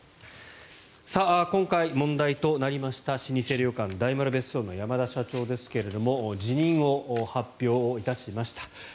今回、問題となりました老舗旅館、大丸別荘の山田社長ですが辞任を発表いたしました。